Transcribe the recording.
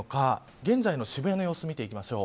現在の渋谷の様子見ていきましょう。